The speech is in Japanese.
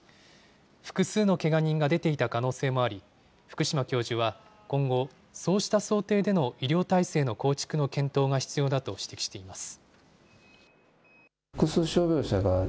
複数のけが人が出ていた可能性もあり、福島教授は今後、そうした想定での医療態勢の構築の検討が必要だと指摘しています。